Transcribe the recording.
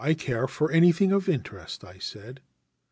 ' 1 care for anything of interest,' I said.